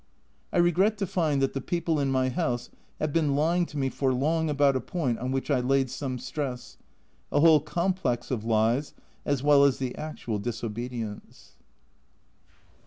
I regret to find that the people in my house have been lying to me for long about a point on which I laid some stress a whole complex of lies as well as the actual disobedience.